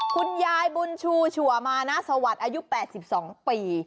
คุณยายบุญชูชัวมานะสวัสดิ์อายุ๘๒ปี